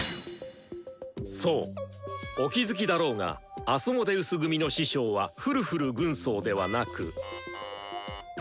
そうお気付きだろうがアスモデウス組の師匠はフルフル軍曹ではなく。